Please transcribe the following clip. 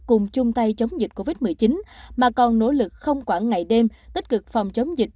cùng chung tay chống dịch covid một mươi chín mà còn nỗ lực không quản ngày đêm tích cực phòng chống dịch